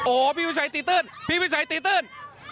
โอ้โหพี่วิชัยตีตื้นพี่วิชัยตีตื้น